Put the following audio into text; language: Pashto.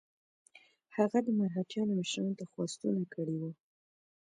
هغه د مرهټیانو مشرانو ته خواستونه کړي وه.